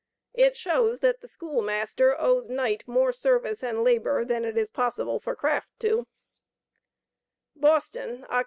It shows, that the school master owes Knight more "service and labor" than it is possible for Craft to: BOSTON, Oct.